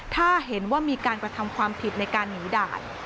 ถ้าเห็นว่ามีการกระทำความผิดในการหนีด่าน